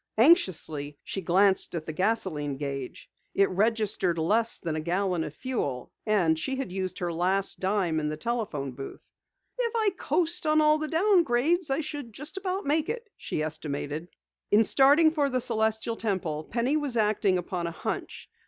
Anxiously, she glanced at the gasoline gauge. It registered less than a gallon of fuel and she had used her last dime in the telephone booth. "If I coast on all the downgrades I should just make it," she estimated. In starting for the Celestial Temple Penny was acting upon a "hunch."